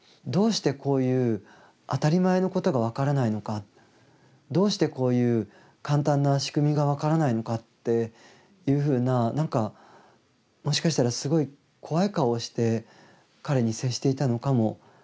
どうしてこういう当たり前のことが分からないのかどうしてこういう簡単な仕組みが分からないのかっていうふうなもしかしたらすごい怖い顔をして彼に接していたのかもしれません。